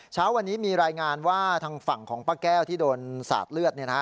เช้าวันนี้มีรายงานว่าทางฝั่งของป้าแก้วที่โดนสาดเลือด